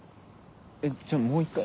えっじゃあもう一回。